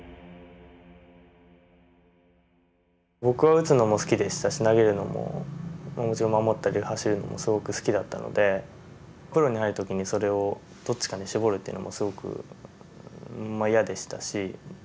僕は打つのも好きでしたし投げるのももちろん守ったり走るのもすごく好きだったのでプロに入る時にそれをどっちかに絞るっていうのもすごくまあ嫌でしたし。